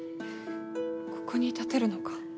ここに立てるのか？